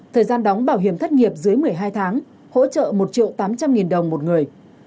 thời gian đóng bảo hiểm thất nghiệp dưới một mươi hai tháng hỗ trợ một triệu tám trăm linh nghìn đồng một người